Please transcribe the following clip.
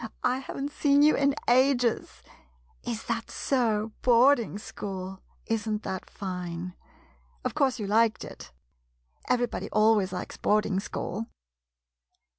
I haven't seen you in ages. Is that so — boarding school? Isn't that fine? Of course, you liked it? Everybody always likes boarding school